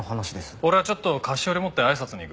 俺はちょっと菓子折り持ってあいさつに行く。